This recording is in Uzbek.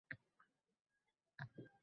Ikkimiz ham yig`lar edik